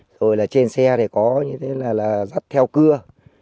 rồi là trên xe thì có như thế là dắt theo cưa